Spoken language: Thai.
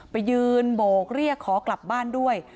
ไปยืนโบกเรียกขอกลับบ้านด้วย